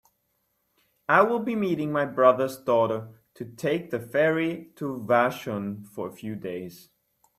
I will be meeting my brother's daughter to take the ferry to Vashon for a few days.